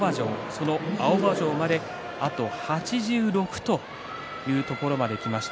その場所まで、あと８６というところまできました。